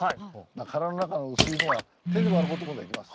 殻の中の薄いのは、手で割ることもできます。